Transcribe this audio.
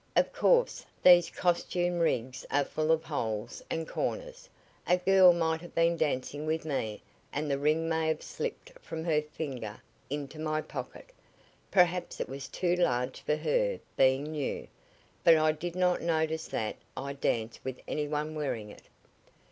"Of course, these costume rigs are full of holes and corners. A girl might have been dancing with me, and the ring may have slipped from her finger into my pocket. Perhaps it was too large for her, being new. But I did not notice that I danced with any one wearing it."